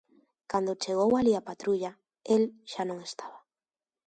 Cando chegou alí a patrulla, el xa non estaba.